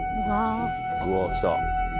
うわ来た。